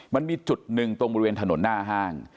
มันมีจุดหนึ่งตรงบริเวณถนนหน้าห้าง